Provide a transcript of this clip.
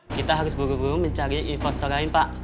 kita harus buru buru mencari investor lain pak